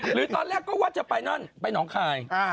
หรือตอนแรกก็ว่าจะไปนั่นไปหนองคาย